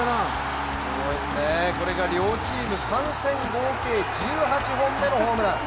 これが両チーム３戦合計１８本目のホームラン。